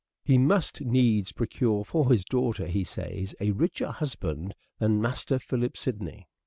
He must needs procure for his daughter, he says, a richer husband than Master Philip Sidney.